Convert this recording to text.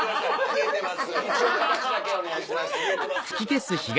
消えてますけど。